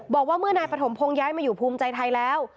บอกว่าเมื่อปฐมพงศ์ศูนย์ย้ายมาอยู่ภูมิใจไทยแล้ว